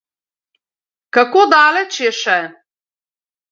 Kako daleč je še?